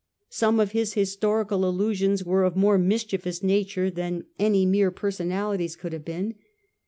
Some of his historical allusions were of a more mischievous nature than any mere personalities could have been.